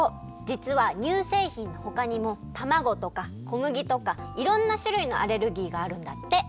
じつは乳せいひんのほかにもたまごとかこむぎとかいろんなしゅるいのアレルギーがあるんだって。